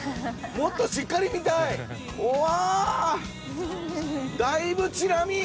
もっとしっかり見たい！うわ。